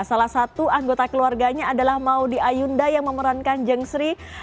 salah satu anggota keluarganya adalah maudi ayunda yang memerankan jeng sri